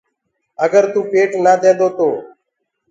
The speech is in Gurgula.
اگر توُ پيٽ نآ دينٚدو تو